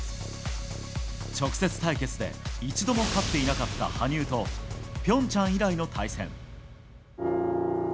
直接対決で一度も勝っていなかった羽生と平昌以来の対戦。